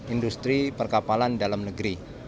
industri perkapalan dalam negeri